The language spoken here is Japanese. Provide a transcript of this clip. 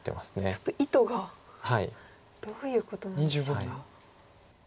ちょっと意図がどういうことなんでしょうか。